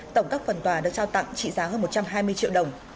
tổng các phần tòa được trao tặng trị giá hơn một trăm hai mươi triệu đồng